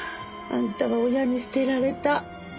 あんたは親に捨てられた。